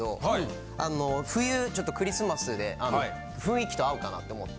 冬ちょっとクリスマスで雰囲気と合うかなって思って。